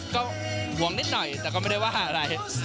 ก็ห่วงนิดหน่อยแต่ก็ไม่ได้ว่าอะไร